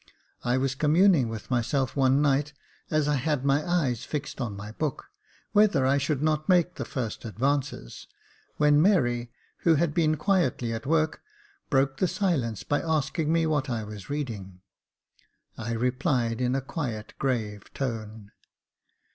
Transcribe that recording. I was communing with myself one night, as I had my eyes fixed on my book, whether I should not make the first advances, when Mary, who had been quietly at work, broke the silence by asking me what I was reading. I replied in a quiet, grave tone.